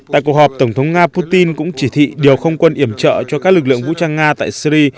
tại cuộc họp tổng thống nga putin cũng chỉ thị điều không quân iểm trợ cho các lực lượng vũ trang nga tại syri